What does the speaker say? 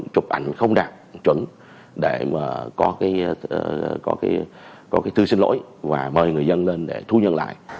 chụp ảnh không đạt chuẩn để có thư xin lỗi và mời người dân lên để thu nhận lại